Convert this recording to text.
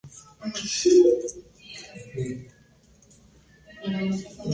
El aeropuerto está situado al noreste del distrito central de negocios de la ciudad.